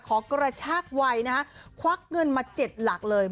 กระชากวัยนะฮะควักเงินมา๗หลักเลย